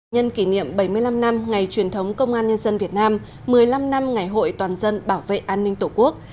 nhân kỷ niệm bảy mươi năm năm ngày truyền thống công an nhân dân việt nam một mươi năm năm ngày hội toàn dân bảo vệ an ninh tổ quốc